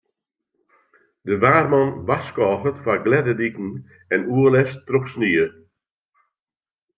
De waarman warskôget foar glêde diken en oerlêst troch snie.